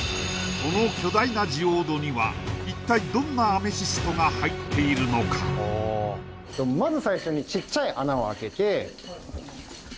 この巨大なジオードには一体どんなアメシストが入っているのかしますします